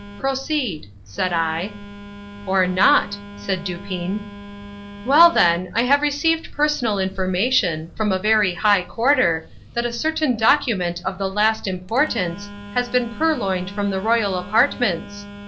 "Proceed," said I. "Or not," said Dupin. "Well, then; I have received personal information, from a very high quarter, that a certain document of the last importance has been purloined from the royal apartments.